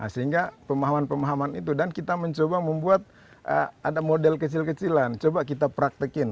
sehingga pemahaman pemahaman itu dan kita mencoba membuat ada model kecil kecilan coba kita praktekin